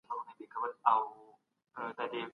غير له الله بل چاته سجده مه کوئ.